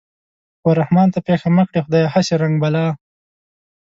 و رحمان ته پېښه مه کړې خدايه هسې رنگ بلا